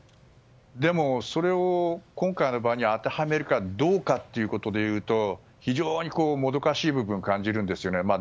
でも、それを今回の場合に当てはめるかどうかというところで言うと非常にもどかしい部分を感じるんですよね。